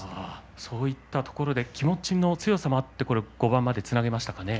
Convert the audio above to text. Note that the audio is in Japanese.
そういったところで気持ちの強さもあって５番までつなげましたかね。